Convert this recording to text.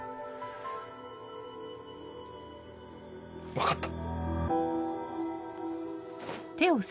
分かった。